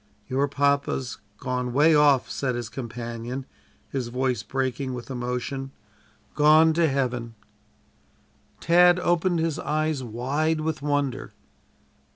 "Your papa's gone 'way off" said his companion, his voice breaking with emotion "gone to heaven." Tad opened his eyes wide with wonder.